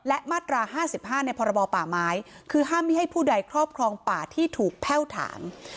และมาตรา๕๕ในพรบป่าไม้คือห้ามไม่ให้ผู้ใดครอบครองป่าที่ถูกแพ่วถาง